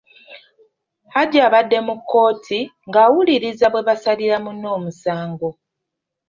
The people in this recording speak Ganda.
Hajji abaabadde mu kkooti, ng'awuliririza bwe basalirira munne omusango.